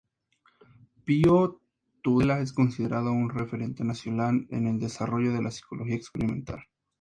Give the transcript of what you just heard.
Pío Tudela es considerado un referente nacional en el desarrollo de la Psicología Experimental.